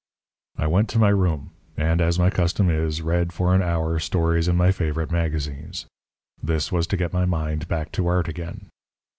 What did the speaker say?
I went to my room, and, as my custom is, read for an hour stories in my favourite magazines. This was to get my mind back to art again.